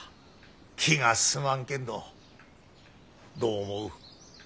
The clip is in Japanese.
気が進まんけんどどう思う？